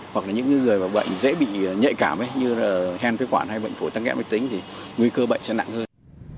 hoặc là những người bệnh dễ bị nhạy cảm như hen phế quản hay bệnh phổ tăng kém bệnh tính thì nguy cơ bệnh sẽ nặng hơn